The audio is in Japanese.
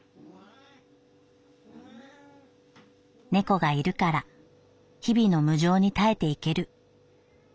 「猫がいるから日々の無常に耐えていける。